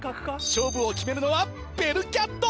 勝負を決めるのは。